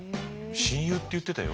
親友って言ってたよ